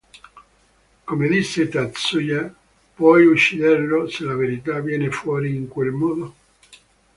Come disse Tatsuya: "Puoi ucciderlo se la verità viene fuori in quel modo?